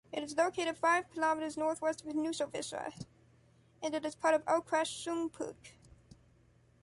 It is located five kilometers northwest of Hanušovice, and it is part of Okres Šumperk.